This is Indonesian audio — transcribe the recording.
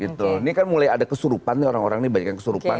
ini kan mulai ada kesurupan nih orang orang ini banyak yang kesurupan